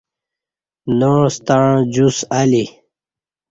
ناعس تݩع جُس الی